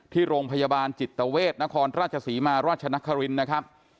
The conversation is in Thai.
ที่โรงพยาบาลจิตเวทนครราชศรีมาราชนครินนะครับ